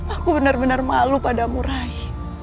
aku benar benar malu padamu rai